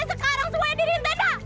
sekarang semuanya dirintenda